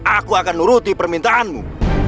aku akan nuruti permintaanmu